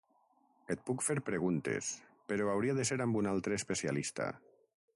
Et puc fer preguntes, però hauria de ser amb un altre especialista.